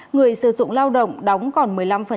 người sử dụng lao động đóng còn một mươi năm